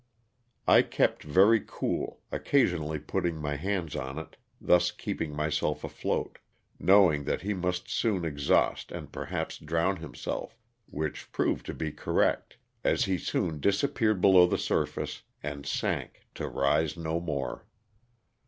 I kept very cool, occasionally putting my hands on it, thus keeping myself afloat, knowing that he must soon exhaust and perhaps drown himself, which proved to be correct, as he soon disappeared be low the surface, and sank to rise no more.